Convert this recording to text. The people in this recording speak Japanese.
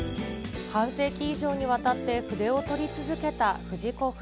半世紀以上にわたって筆を執り続けた藤子